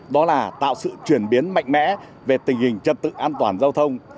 đó là tạo sự chuyển biến mạnh mẽ về tình hình trật tự an toàn giao thông